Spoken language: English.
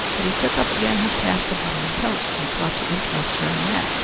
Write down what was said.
But he took up again his task of buttering toast, and sought to interest her in that.